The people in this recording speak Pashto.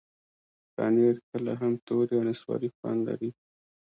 پنېر کله هم تور یا نسواري خوند لري.